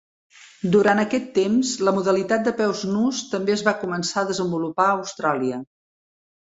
Durant aquest temps, la modalitat de peus nus també es va començar a desenvolupar a Austràlia.